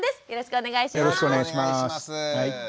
よろしくお願いします。